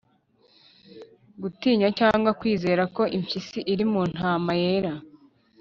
gutinya cyangwa kwizera ko impyisi iri mu ntama yera